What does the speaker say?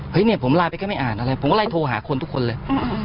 เนี่ยผมไลน์ไปก็ไม่อ่านอะไรผมก็ไล่โทรหาคนทุกคนเลย